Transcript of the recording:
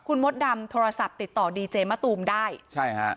คุณมดดำโทรศัพท์ติดต่อดีเจมะตูมได้ใช่ฮะ